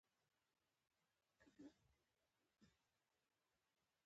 غني خان فلسفي و